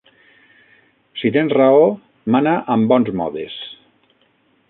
Si tens raó, mana am bons modes